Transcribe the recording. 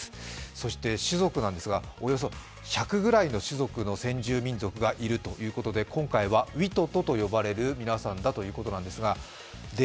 そして種族なんですが、およそ１００ぐらいの種族の先住民族がいるということで今回はウィトトと呼ばれる皆さんだということです。